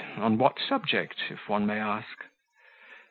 on what subject? if one may ask."